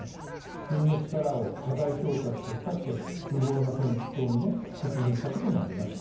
国の力を過大評価して、かつて無謀な戦争に突入したこともあります。